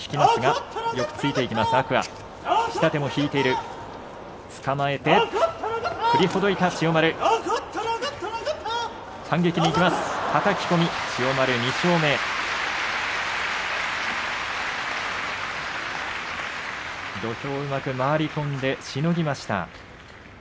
拍手土俵をうまく回り込んでしのぎました。